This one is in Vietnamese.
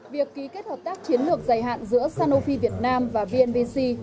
việc ký kết hợp tác chiến lược dày hạn giữa sanofi việt nam và vnvc